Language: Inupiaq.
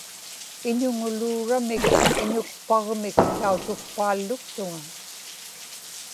iñuŋuluuramik iñukpagmik tautukpaalluktuŋa